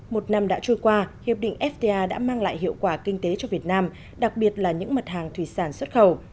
một năm đã trôi qua hiệp định fta đã mang lại hiệu quả kinh tế cho việt nam đặc biệt là những mặt hàng thủy sản xuất khẩu